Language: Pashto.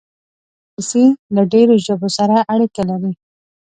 انګلیسي له ډېرو ژبو سره اړیکه لري